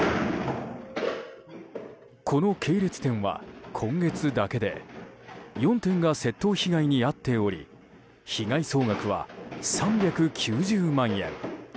この系列店は今月だけで４店が窃盗被害に遭っており被害総額は３９０万円。